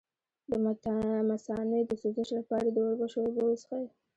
د مثانې د سوزش لپاره د وربشو اوبه وڅښئ